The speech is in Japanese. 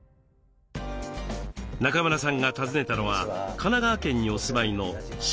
中村さんが訪ねたのは神奈川県にお住まいの下倉幸子さん。